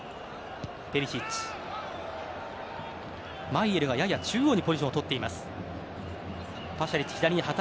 マイェルがやや中央にポジションをとっています。